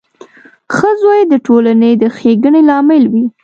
• ښه زوی د ټولنې د ښېګڼې لامل وي.